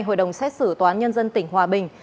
hội đồng xét xử tòa án nhân dân tỉnh hòa bình